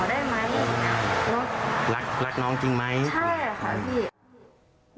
ได้ไหมหลักหลักหลักน้องรักน้องจริงไหมใช่